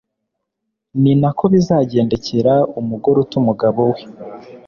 ni na ko bizagendekera umugore uta umugabo we